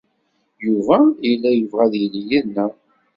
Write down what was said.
Yuba yella yebɣa ad yili yid-neɣ.